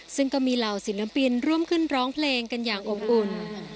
ซึ่งก็มีเหล่าศิลปินร่วมขึ้นร้องเพลงกันอย่างอบอุ่น